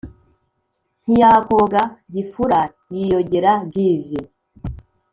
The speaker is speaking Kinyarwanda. ntiyakoga gifura yiyogera give